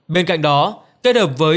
bên cạnh đó kết hợp với